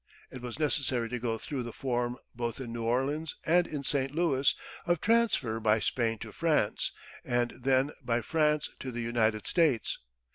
It was necessary to go through the form, both in New Orleans and in St. Louis, of transfer by Spain to France, and then by France to the United States.